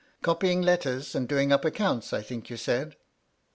Copying letters and doing up accounts, I think you said